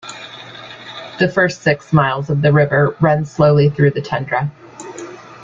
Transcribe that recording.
The first six miles of the river run slowly through the tundra.